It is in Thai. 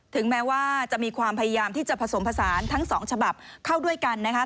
ถึงแม้ว่าจะมีความพยายามที่จะผสมผสานทั้งสองฉบับเข้าด้วยกันนะคะ